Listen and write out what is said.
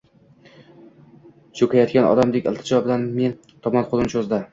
Cho`kayotgan odamdek iltijo bilan men tomon qo`lini cho`zdi